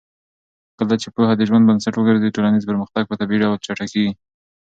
کله چې پوهه د ژوند بنسټ وګرځي، ټولنیز پرمختګ په طبیعي ډول چټکېږي.